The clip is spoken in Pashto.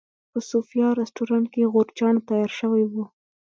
په صوفیا رسټورانټ کې غورچاڼ تیار شوی و.